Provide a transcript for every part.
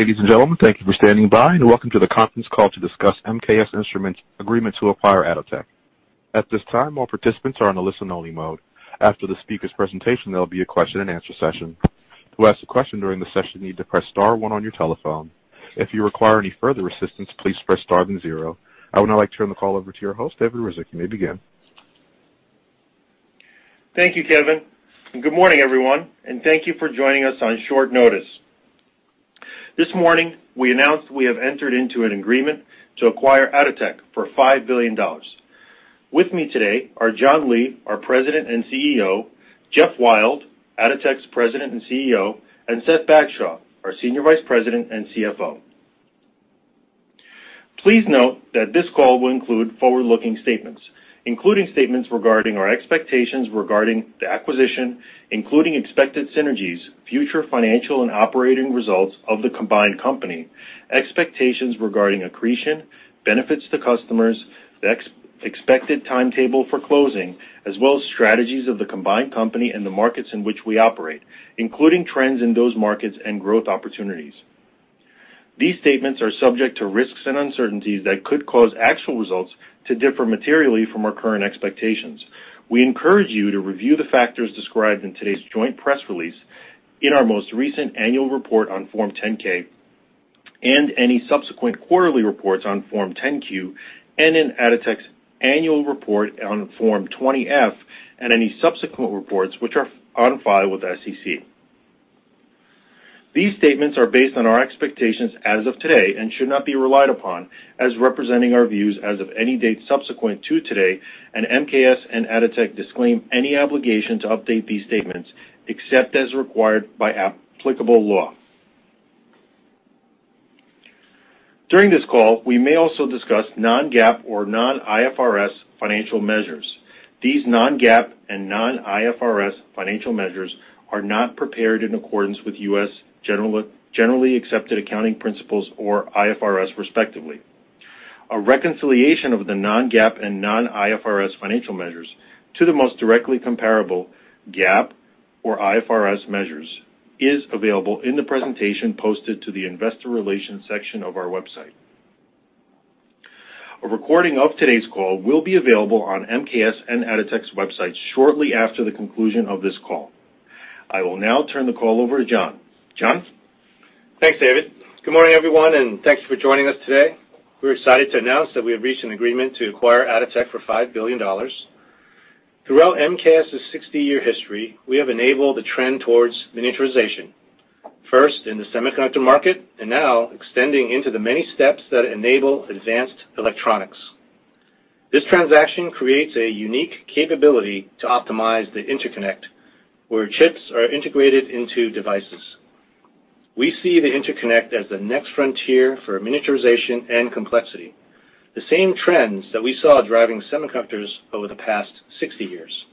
Ladies and gentlemen, thank you for standing by and welcome to the conference call to discuss MKS Instruments' agreement to acquire Atotech. At this time, all participants are in a listen-only mode. After the speaker's presentation, there'll be a question-and-answer session. To ask a question during the session, you need to press star one on your telephone. If you require any further assistance, please press star then zero. I would now like to turn the call over to your host, David Ryzhik. You may begin. Thank you, Kevin. Good morning, everyone, and thank you for joining us on short notice. This morning, we announced we have entered into an agreement to acquire Atotech for $5 billion. With me today are John Lee, our President and CEO, Geoff Wild, Atotech's President and CEO, and Seth Bagshaw, our Senior Vice President and CFO. Please note that this call will include forward-looking statements, including statements regarding our expectations regarding the acquisition, including expected synergies, future financial and operating results of the combined company, expectations regarding accretion, benefits to customers, the expected timetable for closing, as well as strategies of the combined company in the markets in which we operate, including trends in those markets and growth opportunities. These statements are subject to risks and uncertainties that could cause actual results to differ materially from our current expectations. We encourage you to review the factors described in today's joint press release, in our most recent annual report on Form 10-K, and any subsequent quarterly reports on Form 10-Q, and in Atotech's annual report on Form 20-F, and any subsequent reports which are on file with the SEC. These statements are based on our expectations as of today and should not be relied upon as representing our views as of any date subsequent to today. MKS and Atotech disclaim any obligation to update these statements except as required by applicable law. During this call, we may also discuss non-GAAP or non-IFRS financial measures. These non-GAAP and non-IFRS financial measures are not prepared in accordance with U.S. generally accepted accounting principles or IFRS respectively. A reconciliation of the non-GAAP and non-IFRS financial measures to the most directly comparable GAAP or IFRS measures is available in the presentation posted to the investor relations section of our website. A recording of today's call will be available on MKS and Atotech's website shortly after the conclusion of this call. I will now turn the call over to John. John? Thanks, David. Good morning, everyone, and thanks for joining us today. We're excited to announce that we have reached an agreement to acquire Atotech for $5 billion. Throughout MKS' 60-year history, we have enabled the trend towards miniaturization, first in the semiconductor market and now extending into the many steps that enable advanced electronics. This transaction creates a unique capability to optimize the interconnect where chips are integrated into devices. We see the interconnect as the next frontier for miniaturization and complexity, the same trends that we saw driving semiconductors over the past 60 years.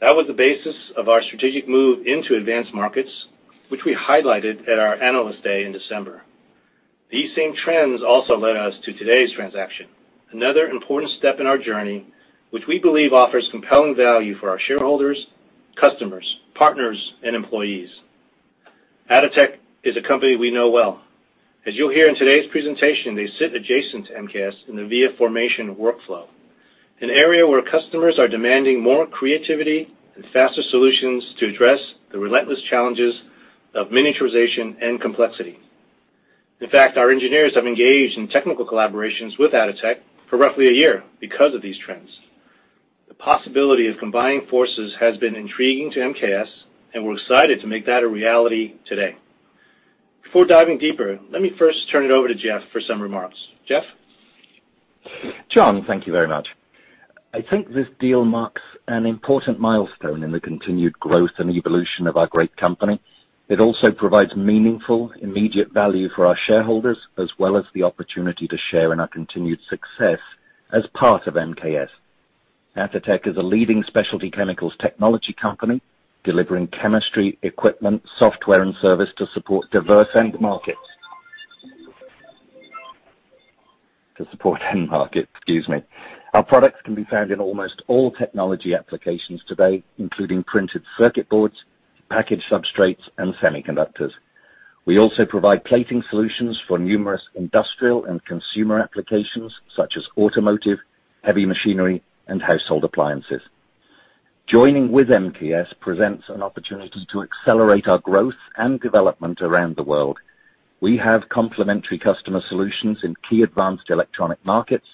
That was the basis of our strategic move into advanced markets, which we highlighted at our Analyst Day in December. These same trends also led us to today's transaction, another important step in our journey, which we believe offers compelling value for our shareholders, customers, partners, and employees. Atotech is a company we know well. As you'll hear in today's presentation, they sit adjacent to MKS in the via formation workflow, an area where customers are demanding more creativity and faster solutions to address the relentless challenges of miniaturization and complexity. In fact, our engineers have engaged in technical collaborations with Atotech for roughly a year because of these trends. The possibility of combining forces has been intriguing to MKS, and we're excited to make that a reality today. Before diving deeper, let me first turn it over to Geoff for some remarks. Geoff? John, thank you very much. I think this deal marks an important milestone in the continued growth and evolution of our great company. It also provides meaningful, immediate value for our shareholders, as well as the opportunity to share in our continued success as part of MKS. Atotech is a leading specialty chemicals technology company, delivering chemistry, equipment, software, and service to support diverse end markets. To support end market, excuse me. Our products can be found in almost all technology applications today, including printed circuit boards, package substrates, and semiconductors. We also provide plating solutions for numerous industrial and consumer applications, such as automotive, heavy machinery, and household appliances. Joining with MKS presents an opportunity to accelerate our growth and development around the world. We have complementary customer solutions in key advanced electronic markets.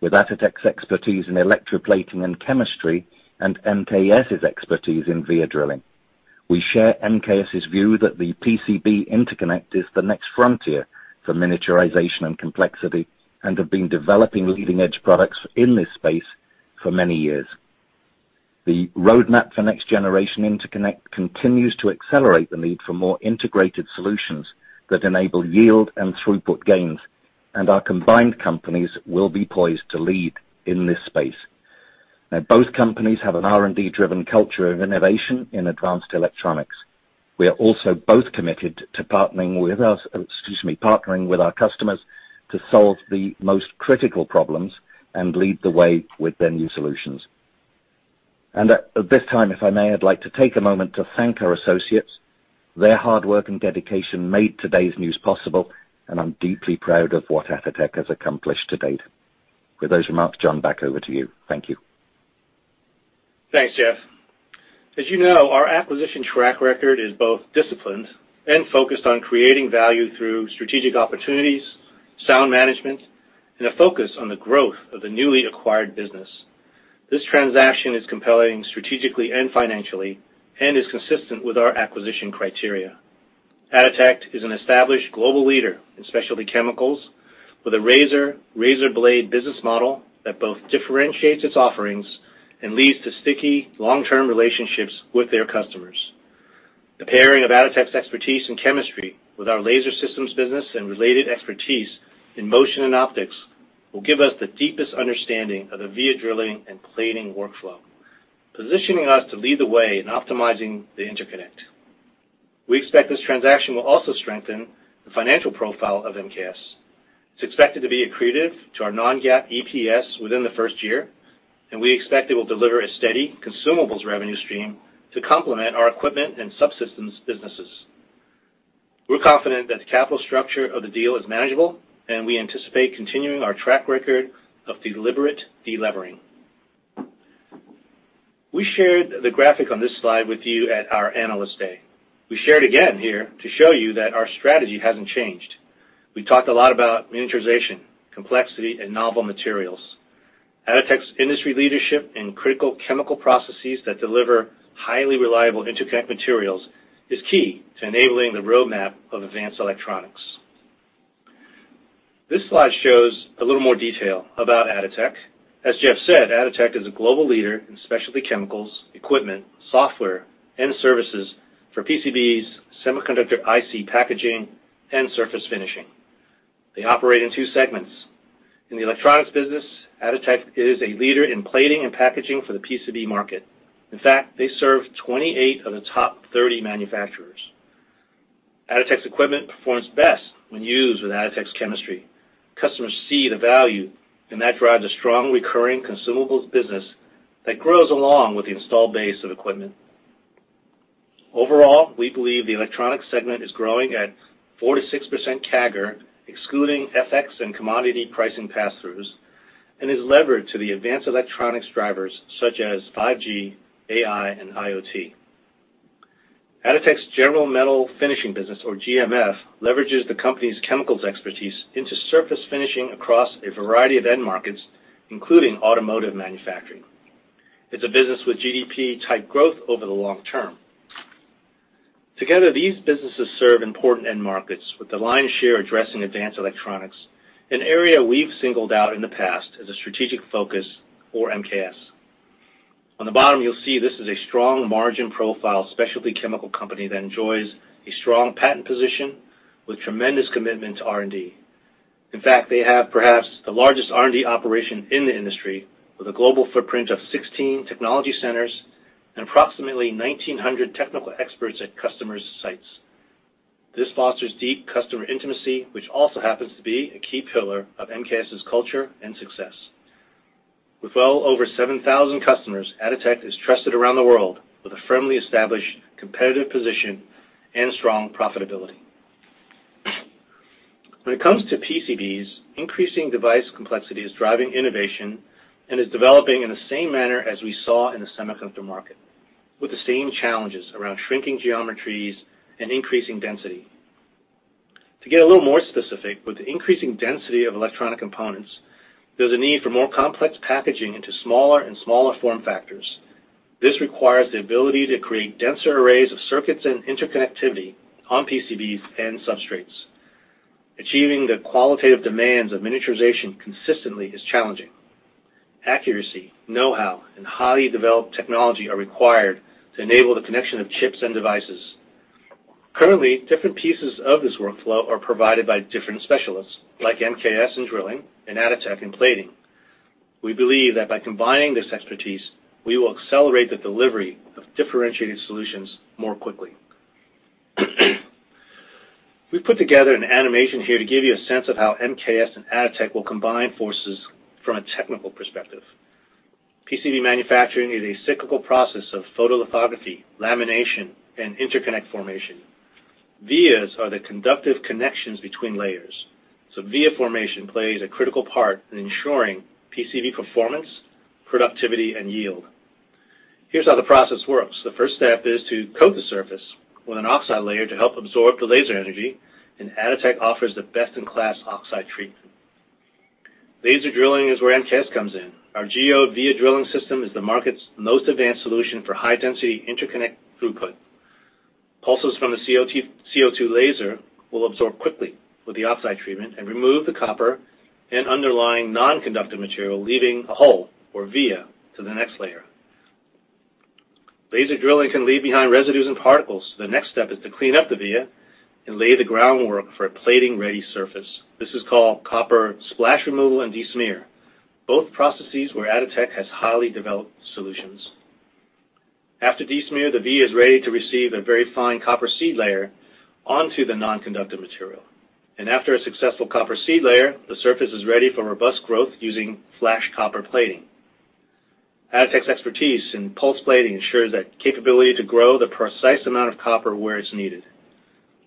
With Atotech's expertise in electroplating and chemistry and MKS' expertise in via drilling. We share MKS' view that the PCB interconnect is the next frontier for miniaturization and complexity and have been developing leading-edge products in this space for many years. The roadmap for next-generation interconnect continues to accelerate the need for more integrated solutions that enable yield and throughput gains, and our combined companies will be poised to lead in this space. Now, both companies have an R&D-driven culture of innovation in advanced electronics. We are also both committed to partnering with our customers to solve the most critical problems and lead the way with their new solutions. At this time, if I may, I'd like to take a moment to thank our associates. Their hard work and dedication made today's news possible, and I'm deeply proud of what Atotech has accomplished to date. With those remarks, John, back over to you. Thank you. Thanks, Geoff. As you know, our acquisition track record is both disciplined and focused on creating value through strategic opportunities, sound management, and a focus on the growth of the newly acquired business. This transaction is compelling strategically and financially and is consistent with our acquisition criteria. Atotech is an established global leader in specialty chemicals with a razor blade business model that both differentiates its offerings and leads to sticky long-term relationships with their customers. The pairing of Atotech's expertise in chemistry with our laser systems business and related expertise in motion and optics will give us the deepest understanding of the via drilling and plating workflow, positioning us to lead the way in optimizing the interconnect. We expect this transaction will also strengthen the financial profile of MKS. It's expected to be accretive to our non-GAAP EPS within the first year. We expect it will deliver a steady consumables revenue stream to complement our equipment and subsystems businesses. We're confident that the capital structure of the deal is manageable. We anticipate continuing our track record of deliberate de-levering. We shared the graphic on this slide with you at our Analyst Day. We share it again here to show you that our strategy hasn't changed. We talked a lot about miniaturization, complexity, and novel materials. Atotech's industry leadership in critical chemical processes that deliver highly reliable interconnect materials is key to enabling the roadmap of advanced electronics. This slide shows a little more detail about Atotech. As Geoff said, Atotech is a global leader in specialty chemicals, equipment, software, and services for PCBs, semiconductor IC packaging, and surface finishing. They operate in two segments. In the electronics business, Atotech is a leader in plating and packaging for the PCB market. In fact, they serve 28 of the top 30 manufacturers. Atotech's equipment performs best when used with Atotech's chemistry. Customers see the value, and that drives a strong recurring consumables business that grows along with the installed base of equipment. Overall, we believe the electronics segment is growing at 4%-6% CAGR, excluding FX and commodity pricing pass-throughs, and is levered to the advanced electronics drivers such as 5G, AI, and IoT. Atotech's General Metal Finishing business, or GMF, leverages the company's chemicals expertise into surface finishing across a variety of end markets, including automotive manufacturing. It's a business with GDP-type growth over the long term. Together, these businesses serve important end markets with the lion's share addressing advanced electronics, an area we've singled out in the past as a strategic focus for MKS. On the bottom, you'll see this is a strong margin profile specialty chemical company that enjoys a strong patent position with tremendous commitment to R&D. In fact, they have perhaps the largest R&D operation in the industry, with a global footprint of 16 technology centers and approximately 1,900 technical experts at customers' sites. This fosters deep customer intimacy, which also happens to be a key pillar of MKS's culture and success. With well over 7,000 customers, Atotech is trusted around the world with a firmly established competitive position and strong profitability. When it comes to PCBs, increasing device complexity is driving innovation and is developing in the same manner as we saw in the semiconductor market, with the same challenges around shrinking geometries and increasing density. To get a little more specific, with the increasing density of electronic components, there's a need for more complex packaging into smaller and smaller form factors. This requires the ability to create denser arrays of circuits and interconnectivity on PCBs and substrates. Achieving the qualitative demands of miniaturization consistently is challenging. Accuracy, know-how, and highly developed technology are required to enable the connection of chips and devices. Currently, different pieces of this workflow are provided by different specialists, like MKS in drilling and Atotech in plating. We believe that by combining this expertise, we will accelerate the delivery of differentiated solutions more quickly. We've put together an animation here to give you a sense of how MKS and Atotech will combine forces from a technical perspective. PCB manufacturing is a cyclical process of photolithography, lamination, and interconnect formation. Vias are the conductive connections between layers. Via formation plays a critical part in ensuring PCB performance, productivity, and yield. Here's how the process works. The first step is to coat the surface with an oxide layer to help absorb the laser energy. Atotech offers the best-in-class oxide treatment. Laser drilling is where MKS comes in. Our Geode via drilling system is the market's most advanced solution for high-density interconnect throughput. Pulses from the CO2 laser will absorb quickly with the oxide treatment and remove the copper and underlying non-conductive material, leaving a hole or via to the next layer. Laser drilling can leave behind residues and particles. The next step is to clean up the via and lay the groundwork for a plating-ready surface. This is called copper splash removal and de-smear, both processes where Atotech has highly developed solutions. After de-smear, the via is ready to receive a very fine copper seed layer onto the non-conductive material. After a successful copper seed layer, the surface is ready for robust growth using flash copper plating. Atotech's expertise in pulse plating ensures that capability to grow the precise amount of copper where it's needed.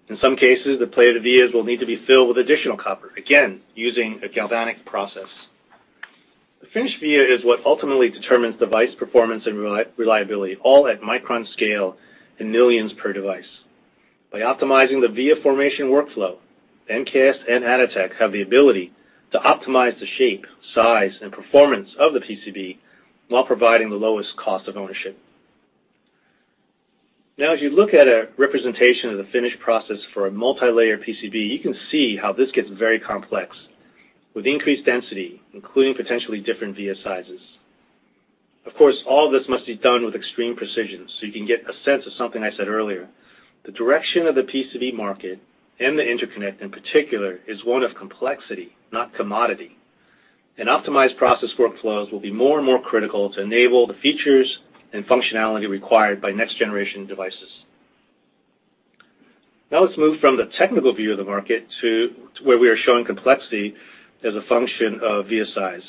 In some cases, the plated vias will need to be filled with additional copper, again, using a galvanic process. The finished via is what ultimately determines device performance and reliability, all at micron scale, in millions per device. By optimizing the via formation workflow, MKS and Atotech have the ability to optimize the shape, size, and performance of the PCB while providing the lowest cost of ownership. As you look at a representation of the finished process for a multilayer PCB, you can see how this gets very complex. With increased density, including potentially different via sizes. Of course, all this must be done with extreme precision, so you can get a sense of something I said earlier. The direction of the PCB market and the interconnect in particular, is one of complexity, not commodity. Optimized process workflows will be more and more critical to enable the features and functionality required by next generation devices. Let's move from the technical view of the market to where we are showing complexity as a function of via size.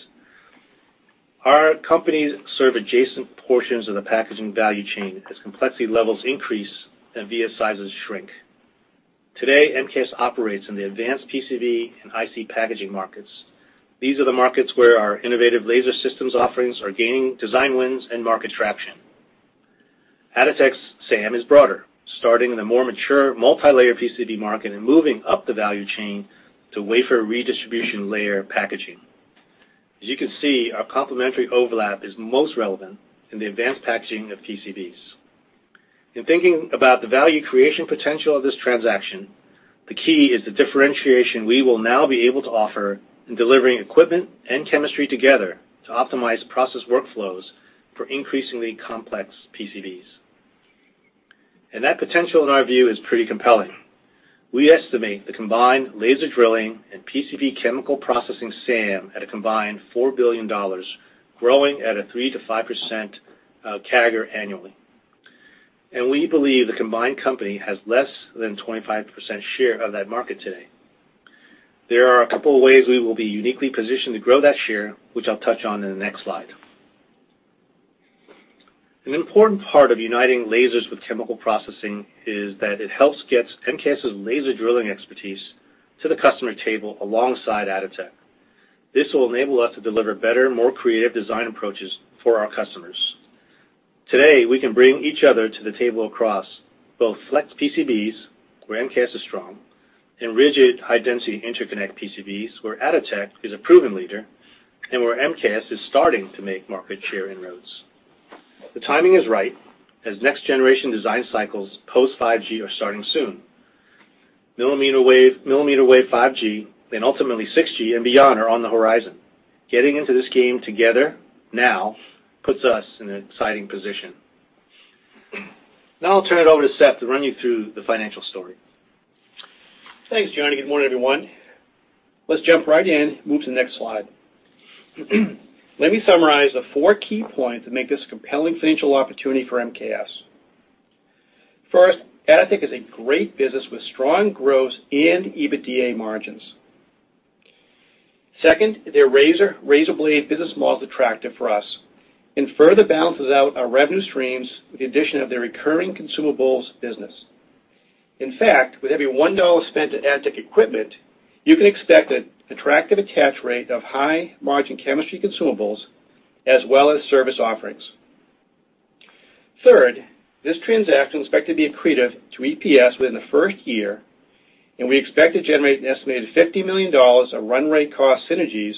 Our companies serve adjacent portions of the packaging value chain as complexity levels increase and via sizes shrink. Today, MKS operates in the advanced PCB and IC packaging markets. These are the markets where our innovative laser systems offerings are gaining design wins and market traction. Atotech's SAM is broader, starting in the more mature multilayer PCB market and moving up the value chain to wafer redistribution layer packaging. As you can see, our complementary overlap is most relevant in the advanced packaging of PCBs. In thinking about the value creation potential of this transaction, the key is the differentiation we will now be able to offer in delivering equipment and chemistry together to optimize process workflows for increasingly complex PCBs. That potential, in our view, is pretty compelling. We estimate the combined laser drilling and PCB chemical processing SAM at a combined $4 billion, growing at a 3%-5% CAGR annually. We believe the combined company has less than 25% share of that market today. There are a couple of ways we will be uniquely positioned to grow that share, which I'll touch on in the next slide. An important part of uniting lasers with chemical processing is that it helps gets MKS's laser drilling expertise to the customer table alongside Atotech. This will enable us to deliver better, more creative design approaches for our customers. Today, we can bring each other to the table across both Flex PCBs, where MKS is strong, and rigid high-density interconnect PCBs, where Atotech is a proven leader and where MKS is starting to make market share inroads. The timing is right, as next generation design cycles post 5G are starting soon. Millimeter-wave 5G, and ultimately 6G and beyond, are on the horizon. Getting into this game together now puts us in an exciting position. Now I'll turn it over to Seth to run you through the financial story. Thanks, John. Good morning, everyone. Let's jump right in, move to the next slide. Let me summarize the four key points that make this a compelling financial opportunity for MKS. First, Atotech is a great business with strong growth and EBITDA margins. Second, their razor blade business model is attractive for us, and further balances out our revenue streams with the addition of their recurring consumables business. In fact, with every $1 spent at Atotech equipment, you can expect an attractive attach rate of high margin chemistry consumables as well as service offerings. Third, this transaction is expected to be accretive to EPS within the first year, and we expect to generate an estimated $50 million of run rate cost synergies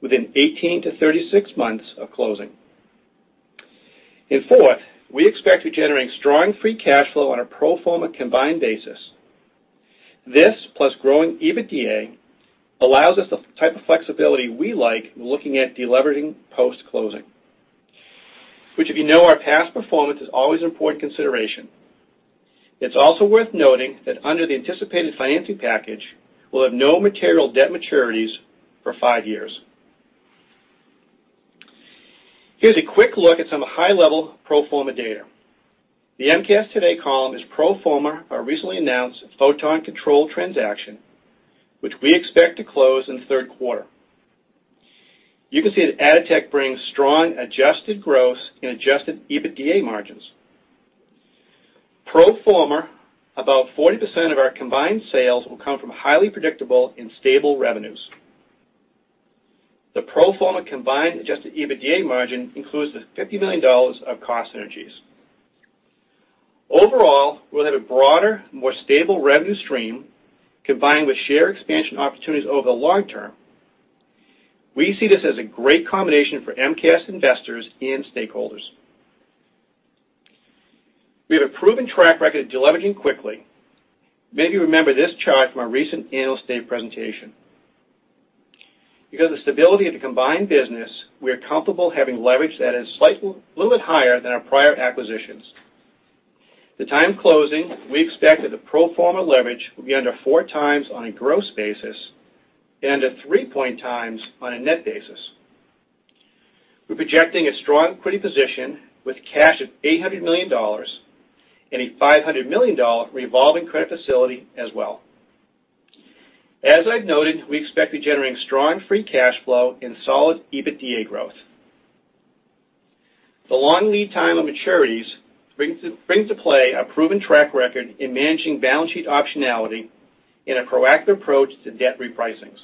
within 18-36 months of closing. Fourth, we expect to be generating strong free cash flow on a pro forma combined basis. This, plus growing EBITDA, allows us the type of flexibility we like when looking at deleveraging post-closing. If you know our past performance, is always important consideration. It's also worth noting that under the anticipated financing package, we'll have no material debt maturities for five years. Here's a quick look at some high-level pro forma data. The MKS today column is pro forma, our recently announced Photon Control transaction, which we expect to close in the third quarter. You can see that Atotech brings strong adjusted growth in adjusted EBITDA margins. Pro forma, about 40% of our combined sales will come from highly predictable and stable revenues. The pro forma combined adjusted EBITDA margin includes the $50 million of cost synergies. Overall, we'll have a broader, more stable revenue stream, combined with share expansion opportunities over the long term. We see this as a great combination for MKS investors and stakeholders. We have a proven track record of deleveraging quickly. Maybe you remember this chart from our recent Analyst Day presentation. Because of the stability of the combined business, we are comfortable having leverage that is slightly little bit higher than our prior acquisitions. At the time of closing, we expect that the pro forma leverage will be under 4x on a gross basis and at 3 point times on a net basis. We're projecting a strong credit position with cash at $800 million and a $500 million revolving credit facility as well. As I've noted, we expect to be generating strong free cash flow and solid EBITDA growth. The long lead time on maturities brings to play a proven track record in managing balance sheet optionality in a proactive approach to debt repricings.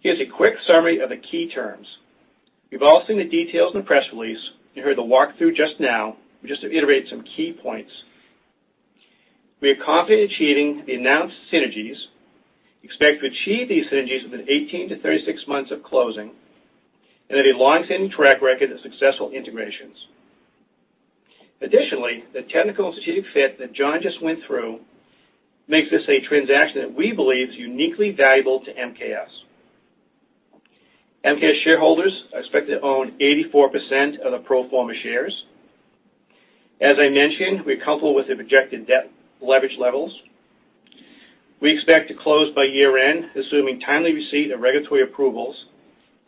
Here's a quick summary of the key terms. You've all seen the details in the press release and heard the walkthrough just now, just to iterate some key points. We are confident in achieving the announced synergies, expect to achieve these synergies within 18-36 months of closing, and have a long-standing track record of successful integrations. Additionally, the technical and strategic fit that John just went through makes this a transaction that we believe is uniquely valuable to MKS. MKS shareholders are expected to own 84% of the pro forma shares. As I mentioned, we're comfortable with the projected debt leverage levels. We expect to close by year-end, assuming timely receipt of regulatory approvals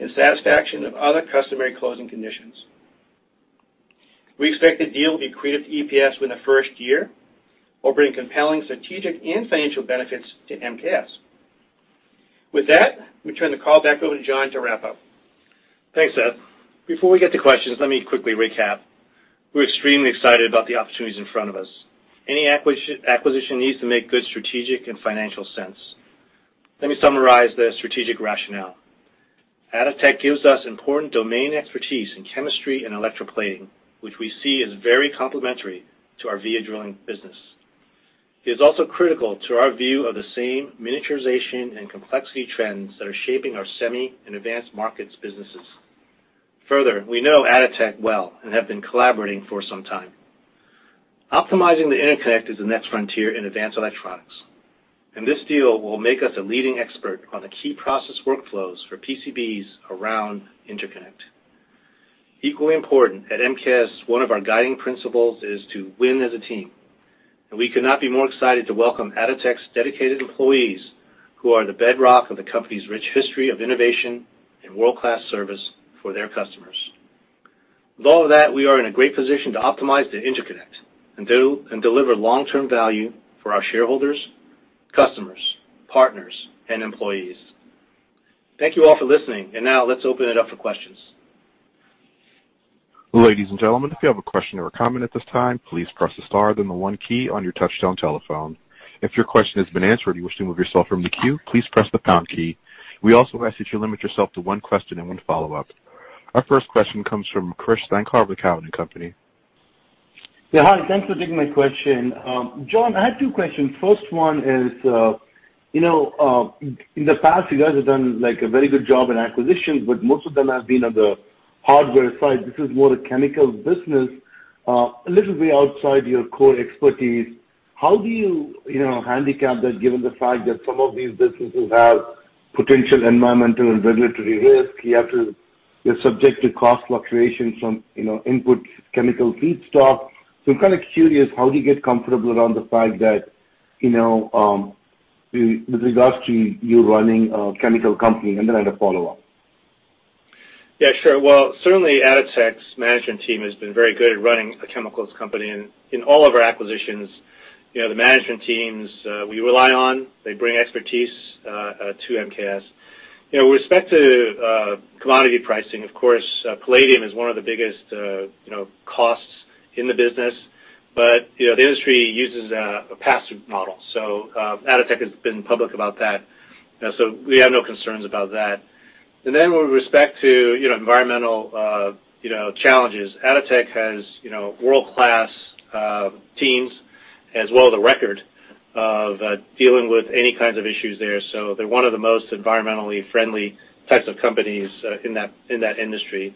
and satisfaction of other customary closing conditions. We expect the deal will be accretive to EPS within the first year, while bringing compelling strategic and financial benefits to MKS. With that, let me turn the call back over to John to wrap up. Thanks, Seth. Before we get to questions, let me quickly recap. We're extremely excited about the opportunities in front of us. Any acquisition needs to make good strategic and financial sense. Let me summarize the strategic rationale. Atotech gives us important domain expertise in chemistry and electroplating, which we see as very complementary to our via drilling business. It is also critical to our view of the SAM miniaturization and complexity trends that are shaping our semi and advanced markets businesses. We know Atotech well and have been collaborating for some time. Optimizing the interconnect is the next frontier in advanced electronics, this deal will make us a leading expert on the key process workflows for PCBs around interconnect. Equally important, at MKS, one of our guiding principles is to win as a team. We could not be more excited to welcome Atotech's dedicated employees, who are the bedrock of the company's rich history of innovation and world-class service for their customers. With all of that, we are in a great position to optimize the interconnect and deliver long-term value for our shareholders, customers, partners, and employees. Thank you all for listening. Now, let's open it up for questions. Ladies and gentlemen, if you have a question or comment at this time, please press the star, then the one key on your touchtone telephone. If your question has been answered, and you wish to remove yourself from the queue, please press the pound key. We also ask that you limit yourself to one question and one follow-up. Our first question comes from Krish Sankar, with Cowen and Company. Yeah. Hi. Thanks for taking my question. John, I had two questions. First one is, in the past, you guys have done a very good job in acquisitions, but most of them have been on the hardware side. This is more a chemical business, a little bit outside your core expertise. How do you handicap that, given the fact that some of these businesses have potential environmental and regulatory risk? You have to be subject to cost fluctuations from input chemical feedstock. I'm kind of curious, how do you get comfortable around the fact that, with regards to you running a chemical company? I have a follow-up. Yeah, sure. Well, certainly Atotech's management team has been very good at running a chemicals company. In all of our acquisitions, the management teams we rely on, they bring expertise to MKS. With respect to commodity pricing, of course, palladium is one of the biggest costs in the business. The industry uses a pass-through model, Atotech has been public about that, so we have no concerns about that. With respect to environmental challenges, Atotech has world-class teams, as well as a record of dealing with any kinds of issues there. They're one of the most environmentally friendly types of companies in that industry.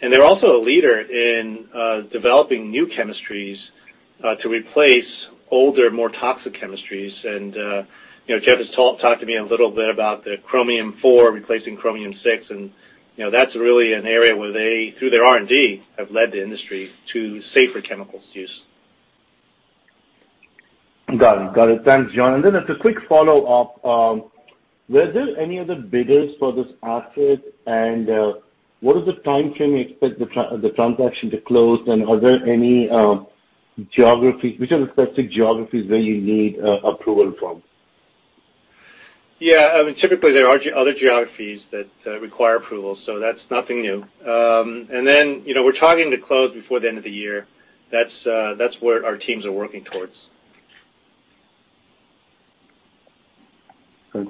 They're also a leader in developing new chemistries to replace older, more toxic chemistries. Geoff has talked to me a little bit about the [chromium(III)] replacing chromium(VI), and that's really an area where they, through their R&D, have led the industry to safer chemicals use. Got it. Thanks, John. As a quick follow-up, were there any other bidders for this asset? What is the timeframe you expect the transaction to close? Are there any specific geographies where you need approval from? Yeah. Typically, there are other geographies that require approval. That's nothing new. We're targeting to close before the end of the year. That's what our teams are working towards.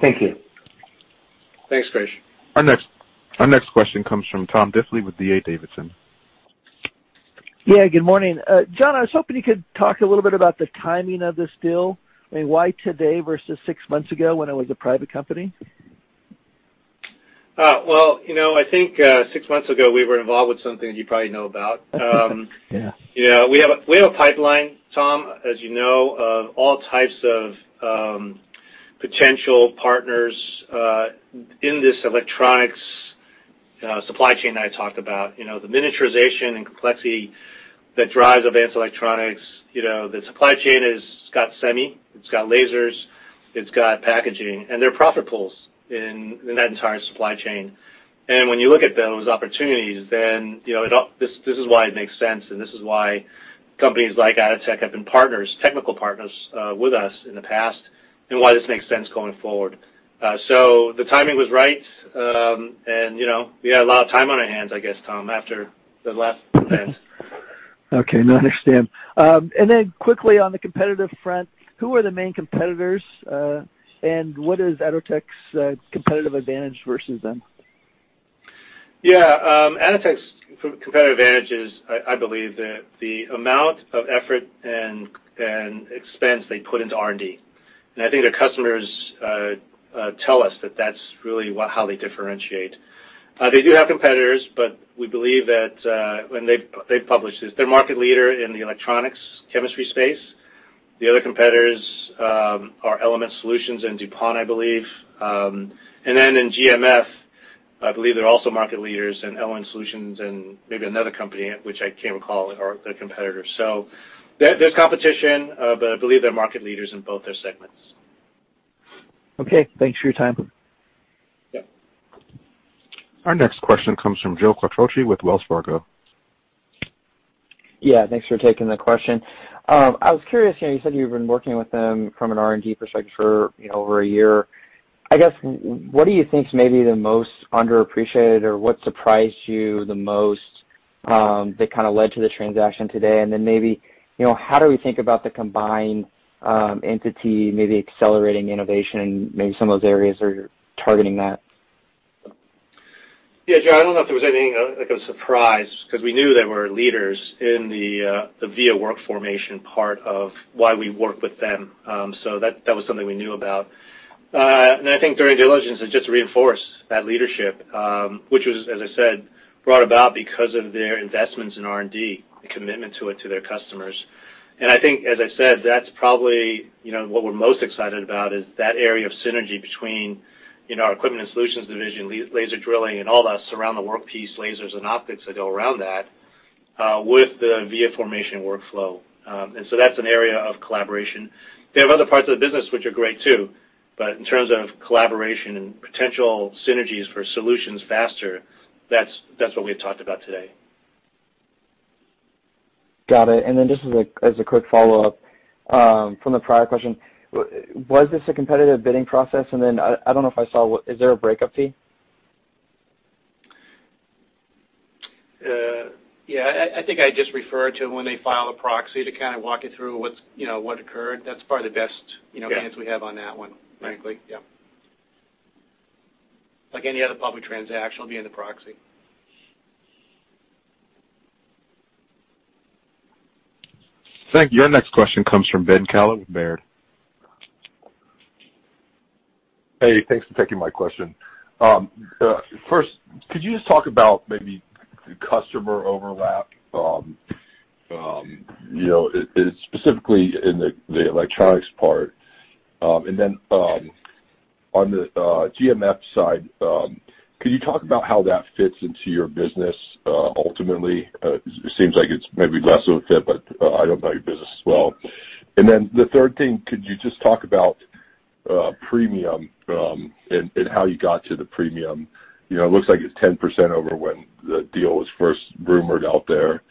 Thank you. Thanks, Krish. Our next question comes from Tom Diffely with D.A. Davidson. Yeah, good morning. John, I was hoping you could talk a little bit about the timing of this deal, and why today versus six months ago when it was a private company? I think six months ago, we were involved with something that you probably know about. Yeah. We have a pipeline, Tom, as you know, of all types of potential partners in this electronics supply chain that I talked about. The miniaturization and complexity that drives advanced electronics. The supply chain has got semi, it's got lasers, it's got packaging, they're profit pools in that entire supply chain. When you look at those opportunities, this is why it makes sense, this is why companies like Atotech have been technical partners with us in the past, why this makes sense going forward. The timing was right. We had a lot of time on our hands, I guess, Tom, after the last events. Okay. No, I understand. Then quickly on the competitive front, who are the main competitors? What is Atotech's competitive advantage versus them? Yeah. Atotech's competitive advantage is, I believe, the amount of effort and expense they put into R&D. I think their customers tell us that that's really how they differentiate. They do have competitors, but we believe that, and they've published this. They're a market leader in the electronics chemistry space. The other competitors, are Element Solutions and DuPont, I believe. In GMF, I believe they're also market leaders and Element Solutions and maybe another company, which I can't recall, are the competitors. There's competition, but I believe they're market leaders in both their segments. Okay. Thanks for your time. Yep. Our next question comes from Joe Quatrochi with Wells Fargo. Yeah. Thanks for taking the question. I was curious, you said you've been working with them from an R&D perspective for over a year. I guess, what do you think is maybe the most underappreciated or what surprised you the most, that kind of led to the transaction today? Maybe, how do we think about the combined entity, maybe accelerating innovation in maybe some of those areas or targeting that? Yeah, Joe, I don't know if there was anything like a surprise, because we knew they were leaders in the via formation part of why we worked with them. That was something we knew about. I think their due diligence has just reinforced that leadership, which was, as I said, brought about because of their investments in R&D, the commitment to it to their customers. I think, as I said, that's probably what we're most excited about is that area of synergy between our equipment and solutions division, laser drilling and all that surround the work piece, lasers and optics that go around that, with the via formation workflow. That's an area of collaboration. They have other parts of the business which are great too, in terms of collaboration and potential synergies for solutions faster, that's what we had talked about today. Got it. Just as a quick follow-up from the prior question, was this a competitive bidding process? I don't know if I saw, is there a breakup fee? Yeah. I think I'd just refer to when they file a proxy to kind of walk you through what occurred. That's probably the best chance we have on that one, frankly. Yeah. Like any other public transaction, it will be in the proxy. Thank you. Your next question comes from Ben Kallo with Baird. Hey, thanks for taking my question. First, could you just talk about maybe the customer overlap, specifically in the electronics part? On the GMF side, could you talk about how that fits into your business ultimately? It seems like it's maybe less of a fit, but I don't know your business well. The third thing, could you just talk about premium, and how you got to the premium? It looks like it's 10% over when the deal was first rumored out there.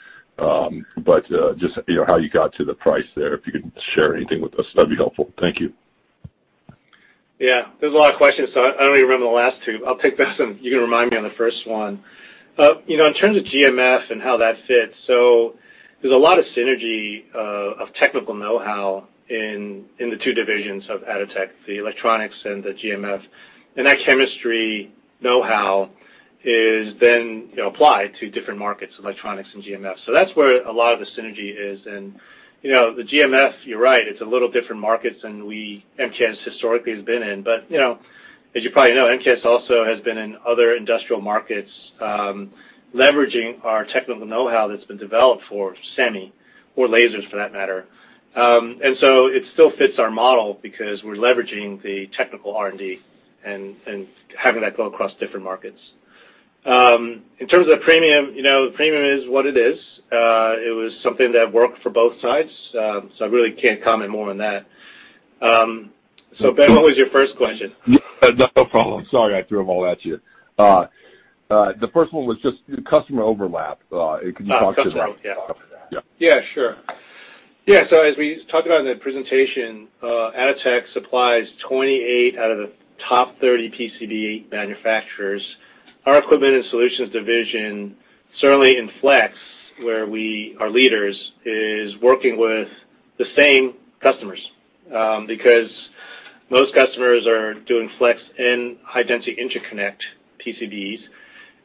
Just how you got to the price there, if you could share anything with us, that'd be helpful. Thank you. Yeah. There's a lot of questions. I don't even remember the last two. I'll take this one. You can remind me on the first one. In terms of GMF and how that fits, there's a lot of synergy of technical know-how in the two divisions of Atotech, the electronics and the GMF. That chemistry know-how is then applied to different markets, electronics and GMF. That's where a lot of the synergy is. The GMF, you're right, it's a little different markets than MKS historically has been in. As you probably know, MKS also has been in other industrial markets, leveraging our technical know-how that's been developed for semi or lasers for that matter. It still fits our model because we're leveraging the technical R&D and having that go across different markets. In terms of premium is what it is. It was something that worked for both sides. I really can't comment more on that. Ben, what was your first question? No problem. Sorry, I threw them all at you. The first one was just the customer overlap. Could you talk to that? Oh, customer overlap. Yeah. Yeah, sure. Yeah, as we talked about in the presentation, Atotech supplies 28 out of the top 30 PCB manufacturers. Our equipment and solutions division, certainly in flex, where we are leaders, is working with the same customers. Because most customers are doing flex and high-density interconnect PCBs.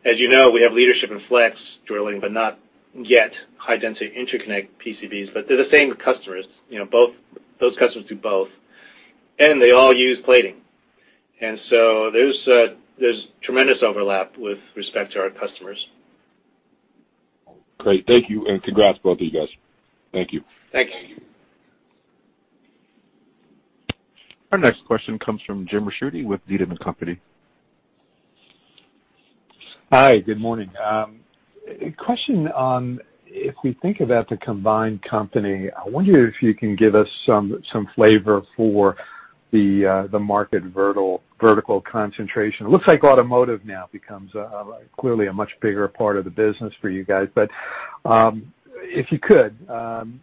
As you know, we have leadership in flex drilling, but not yet high-density interconnect PCBs, but they're the same customers. Those customers do both. They all use plating. There's tremendous overlap with respect to our customers. Great. Thank you, and congrats to both of you guys. Thank you. Thank you. Our next question comes from Jim Ricchiuti with Needham & Company. Hi. Good morning. A question on if we think about the combined company, I wonder if you can give us some flavor for the market vertical concentration. Looks like automotive now becomes clearly a much bigger part of the business for you guys. If you could,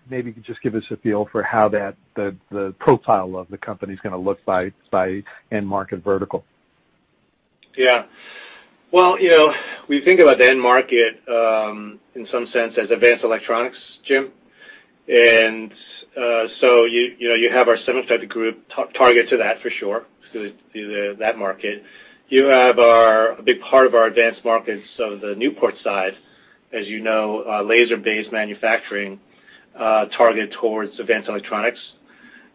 maybe just give us a feel for how the profile of the company is going to look by end market vertical. We think about end market in some sense as advanced electronics, Jim. You have our semiconductor group targeted at, for sure, that market. You have a big part of our advanced markets on the Newport side, as you know, laser-based manufacturing targeted towards advanced electronics.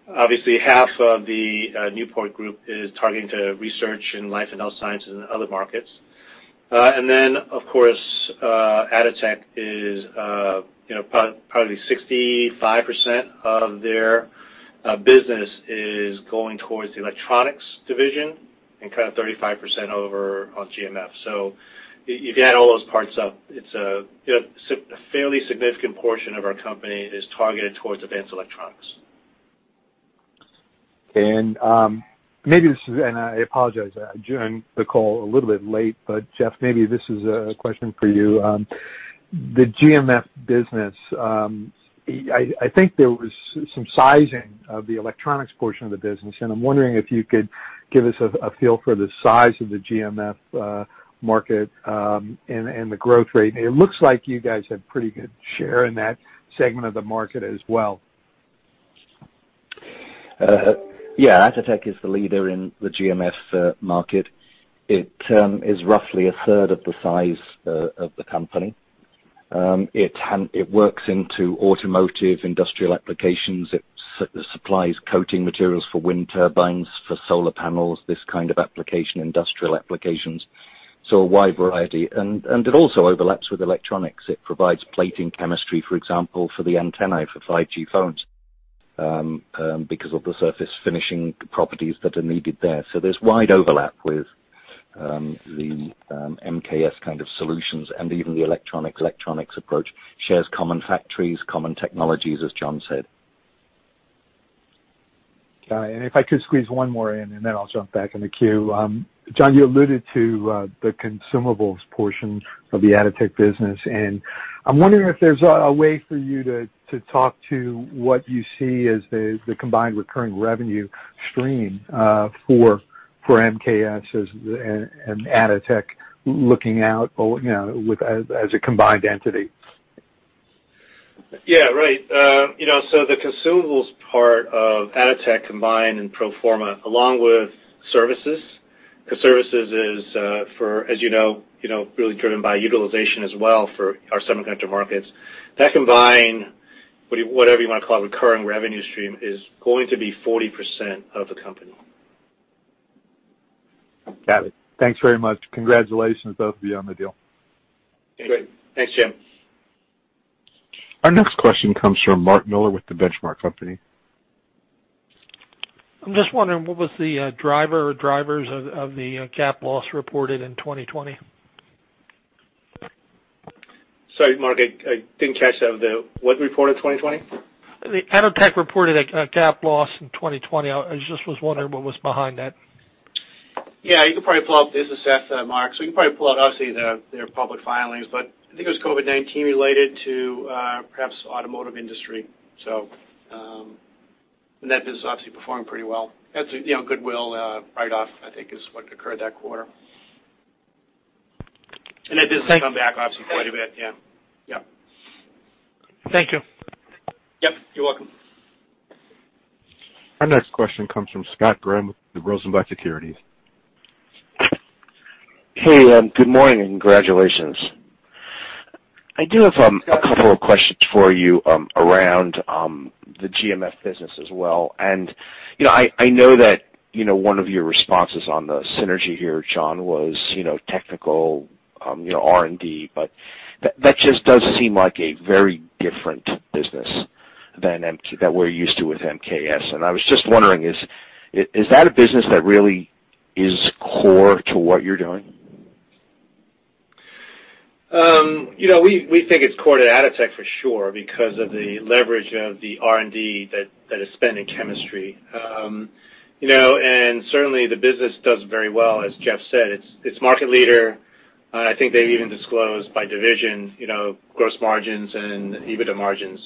Half of the Newport Group is targeted to research in life and health sciences and other markets. Atotech is probably 65% of their business is going towards the electronics division and 35% over on GMF. You add all those parts up, a fairly significant portion of our company is targeted towards advanced electronics. I apologize. I joined the call a little bit late. Geoff, maybe this is a question for you. The GMF business, I think there was some sizing of the electronics portion of the business, and I'm wondering if you could give us a feel for the size of the GMF market and the growth rate. It looks like you guys have pretty good share in that segment of the market as well. Atotech is the leader in the GMF market. It is roughly a third of the size of the company. It works into automotive industrial applications. It supplies coating materials for wind turbines, for solar panels, this kind of application, industrial applications. A wide variety. It also overlaps with electronics. It provides plating chemistry, for example, for the antenna for 5G phones because of the surface finishing properties that are needed there. There's wide overlap with the MKS kind of solutions and even the electronics approach. Shares common factories, common technologies, as John said. If I could squeeze one more in and then I'll jump back in the queue. John, you alluded to the consumables portion of the Atotech business, and I'm wondering if there's a way for you to talk to what you see as the combined recurring revenue stream for MKS and Atotech looking out as a combined entity. Yeah, right. The consumables part of Atotech combined and pro forma, along with services. Services is, as you know, really driven by utilization as well for our semiconductor markets. That combined, whatever you want to call it, recurring revenue stream is going to be 40% of the company. Got it. Thanks very much. Congratulations to both of you on the deal. Great. Thanks, Jim. Our next question comes from Mark Miller with The Benchmark Company. I'm just wondering, what was the driver or drivers of the GAAP loss reported in 2020? Sorry, Mark, I didn't catch that there. What was reported in 2020? Atotech reported a GAAP loss in 2020. I just was wondering what was behind that. Yeah. You can probably pull up the [business app] there, Mark, so you can probably pull up, obviously, their public filings. I think it was COVID-19 related to perhaps the automotive industry. That business obviously performed pretty well. That's goodwill write-off, I think is what occurred that quarter. Thank you. Obviously quite a bit. Yeah. Thank you. Yeah. You're welcome. Our next question comes from Scott Graham with Rosenblatt Securities. Hey. Good morning, and congratulations. I do have a couple of questions for you around the GMF business as well. I know that one of your responses on the synergy here, John, was technical R&D, but that just does seem like a very different business than that we're used to with MKS. I was just wondering, is that a business that really is core to what you're doing? We think it's core to Atotech for sure because of the leverage of the R&D that is spent in chemistry. Certainly, the business does very well, as Geoff said. It's market leader. I think they even disclose by division gross margins and EBITDA margins,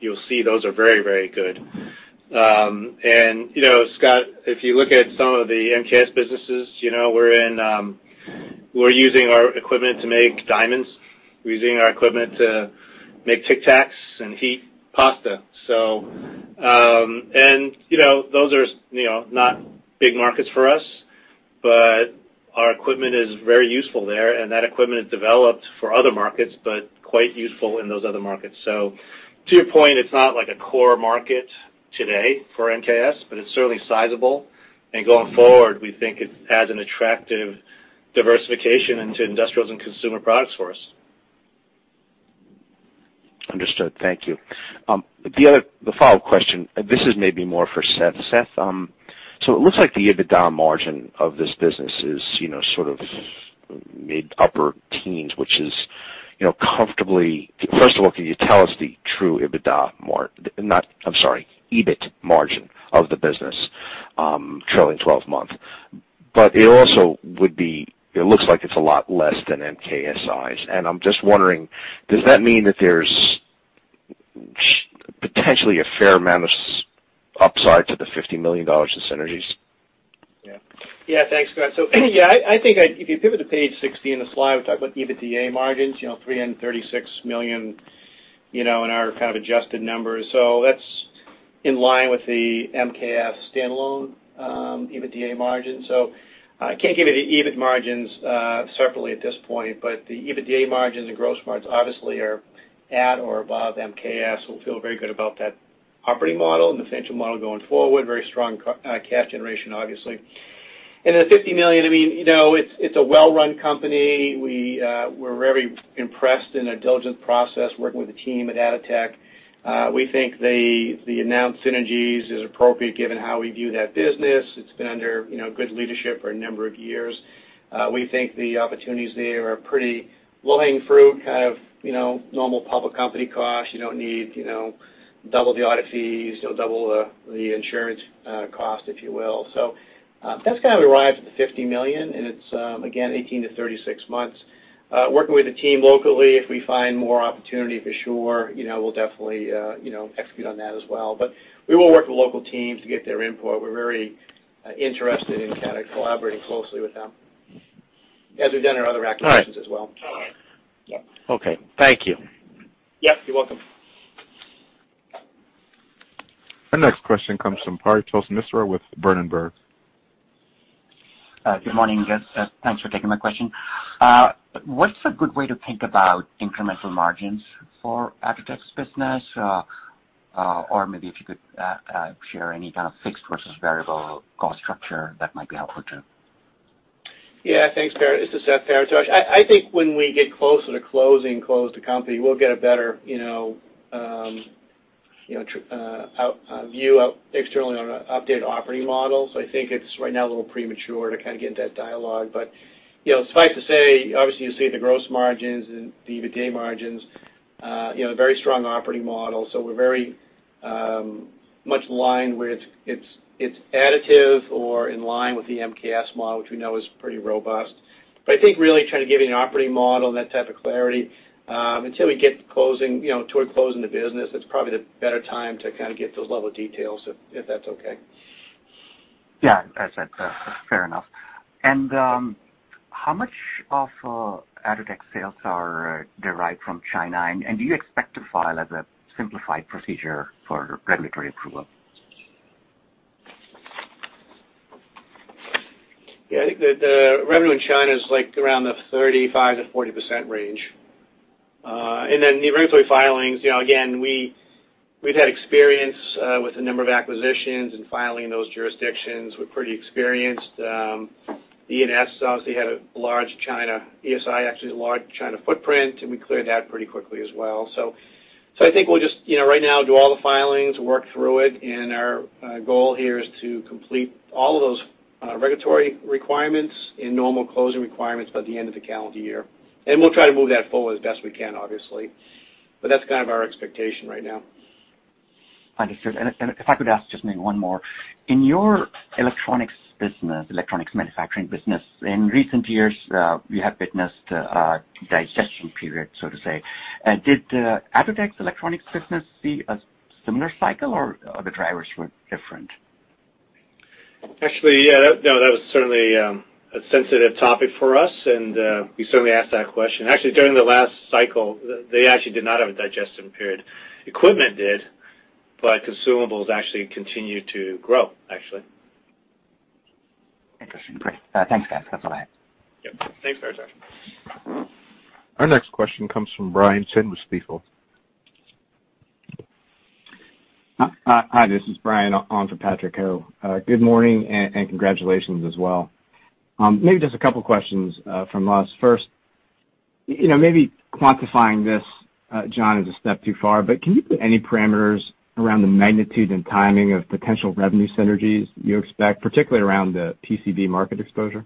you'll see those are very good. Scott, if you look at some of the MKS businesses, we're using our equipment to make diamonds. We're using our equipment to make Tic Tacs and heat pasta. Those are not big markets for us, our equipment is very useful there, that equipment is developed for other markets, quite useful in those other markets. To your point, it's not like a core market today for MKS, it's certainly sizable. Going forward, we think it adds an attractive diversification into industrials and consumer products for us Understood. Thank you. The follow-up question, this is maybe more for Seth. Seth, it looks like the EBITDA margin of this business is mid-upper teens. First of all, can you tell us the true EBIT margin of the business trailing 12 months? It also looks like it's a lot less than MKSI's. I'm just wondering, does that mean that there's potentially a fair amount of upside to the $50 million of synergies? Yeah. Thanks, Scott. Anyway, I think if you go to page 16 of the slide, we talk about EBITDA margins, $336 million, in our kind of adjusted numbers. That's in line with the MKS standalone EBITDA margin. I can't give you the EBIT margins separately at this point, but the EBITDA margins and gross margins obviously are at or above MKS. We feel very good about that operating model and the financial model going forward. Very strong cash generation, obviously. The $50 million, it's a well-run company. We're very impressed in the diligence process, working with the team at Atotech. We think the announced synergies is appropriate given how we view that business. It's been under good leadership for a number of years. We think the opportunities there are pretty low-hanging fruit, kind of normal public company costs. You don't need double the audit fees, double the insurance cost, if you will. That's kind of arrived at the $50 million, and it's again, 18-36 months. Working with the team locally, if we find more opportunity, for sure, we'll definitely execute on that as well. We will work with the local team to get their input. We're very interested in kind of collaborating closely with them as we did in our other acquisitions as well. All right. Yeah. Okay. Thank you. Yep, you're welcome. Our next question comes from Paretosh Misra with Berenberg. Good morning, again. Thanks for taking my question. What's a good way to think about incremental margins for Atotech's business? Maybe if you could share any kind of fixed versus variable cost structure that might be helpful, too. Thanks, Paretosh Misra. I think when we get closer to closing and close the company, we'll get a better view externally on updated operating models. I think it's right now a little premature to kind of get that dialogue. It's safe to say, obviously, you see the gross margins and the EBITDA margins, very strong operating model. We're very much aligned with It's additive or in line with the MKS model, which we know is pretty robust. I think really trying to give you an operating model and that type of clarity, until we get toward closing the business, it's probably the better time to kind of get those level of details, if that's okay. Yeah, that's fair enough. How much of Atotech sales are derived from China? Do you expect to file as a simplified procedure for regulatory approval? Yeah, I think the revenue in China is like around the 35%-40% range. The regulatory filings, again, we've had experience with a number of acquisitions and filing those jurisdictions. We're pretty experienced. ESI, obviously, had a large China footprint, we cleared that pretty quickly as well. I think we'll just right now do all the filings and work through it, our goal here is to complete all of those regulatory requirements and normal closing requirements by the end of the calendar year. We'll try to move that forward as best we can, obviously. That's kind of our expectation right now. Understood. If I could ask just maybe one more. In your electronics business, electronics manufacturing business, in recent years, you have witnessed a digestion period, so to say. Did Atotech's electronics business see a similar cycle, or the drivers were different? Actually, yeah, that was certainly a sensitive topic for us, and we certainly asked that question. Actually, during the last cycle, they actually did not have a digestion period. Equipment did, but consumables actually continued to grow, actually. Interesting. Great. Thanks, Seth. That's all I have. Yep. Thanks, Paretosh. Our next question comes from Brian Chin with Stifel. Hi, this is Brian Chin on for Patrick Ho. Good morning, and congratulations as well. Maybe just a couple of questions from us. First, maybe quantifying this, John Lee, is a step too far, but can you give any parameters around the magnitude and timing of potential revenue synergies you expect, particularly around the PCB market exposure?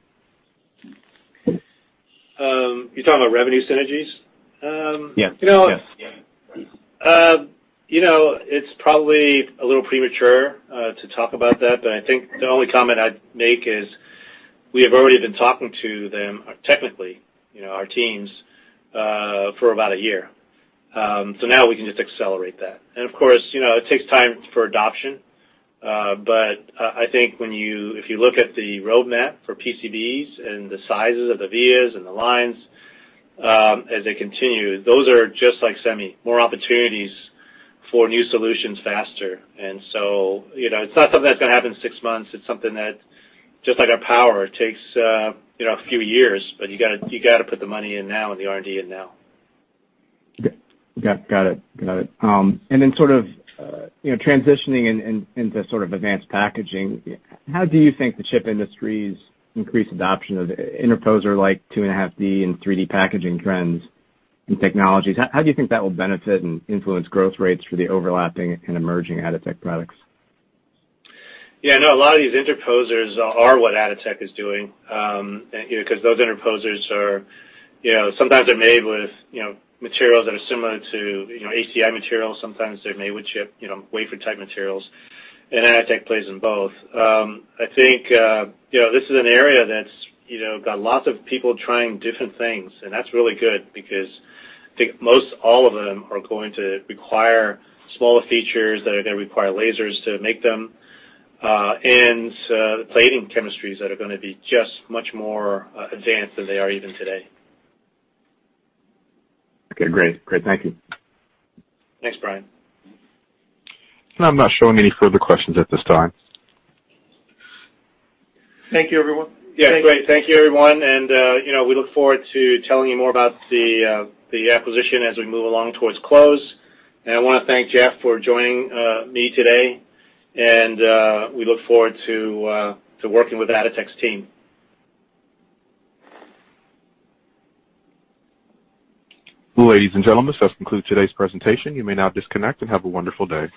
You talking about revenue synergies? Yeah. It's probably a little premature to talk about that, but I think the only comment I'd make is we have already been talking to them technically, our teams, for about a year. Now we can just accelerate that. Of course, it takes time for adoption. I think if you look at the roadmap for PCBs and the sizes of the vias and the lines as they continue, those are just like semi, more opportunities for new solutions faster. It's not something that's going to happen in six months. It's something that, just like our power, takes a few years, but you got to put the money in now and the R&D in now. Okay. Got it. Sort of transitioning into sort of advanced packaging, how do you think the chip industry's increased adoption of interposer like 2.5D and 3D packaging trends and technologies, how do you think that will benefit and influence growth rates for the overlapping and emerging Atotech products? Yeah, no, a lot of these interposers are what Atotech is doing because those interposers are sometimes are made with materials that are similar to [ACI] materials. Sometimes they're made with wafer type materials, and Atotech plays in both. I think this is an area that's got lots of people trying different things, and that's really good because I think most all of them are going to require smaller features that are going to require lasers to make them and plating chemistries that are going to be just much more advanced than they are even today. Okay, great. Thank you. Thanks, Brian. I'm not showing any further questions at this time. Thank you, everyone. Yeah, great. Thank you, everyone. We look forward to telling you more about the acquisition as we move along towards close. I want to thank Geoff for joining me today, and we look forward to working with Atotech's team. Ladies and gentlemen, this concludes today's presentation. You may now disconnect. Have a wonderful day.